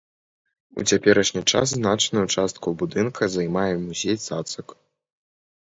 У цяперашні час значную частку будынка займае музей цацак.